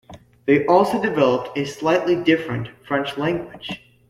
They also developed a slightly different French language.